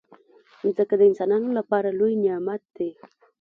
مځکه د انسانانو لپاره لوی نعمت دی.